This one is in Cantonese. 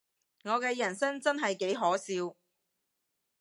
我嘅人生真係幾可笑